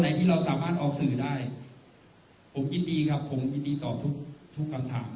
ที่เราสามารถออกสื่อได้ผมยินดีครับผมยินดีตอบทุกทุกคำถาม